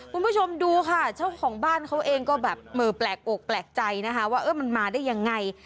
คุณผู้ชมดูค่ะเจ้าของบ้านเขาเองก็แบบมือแปลกอกแปลกใจนะคะว่ามันมาได้ยังไง